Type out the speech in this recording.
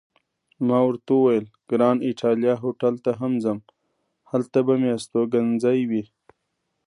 ما ورته وویل: ګران ایټالیا هوټل ته هم ځم، هلته به مې استوګنځی وي.